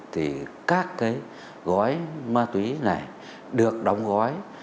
thì các gói ma túy này được đóng thành từng gói